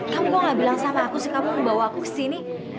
kamu kok gak bilang sama aku sih kamu bawa aku ke sini